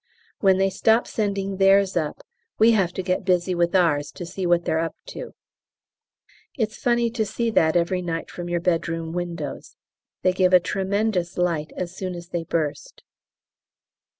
When they stop sending theirs up we have to get busy with ours to see what they're up to. It's funny to see that every night from your bedroom windows. They give a tremendous light as soon as they burst.